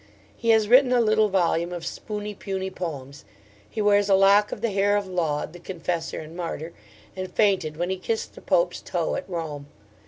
He has written a little volume of spoony puny poems. He wears a lock of the hair of Laud, the Confessor and Martyr, and fainted when he kissed the Pope's toe at Rome.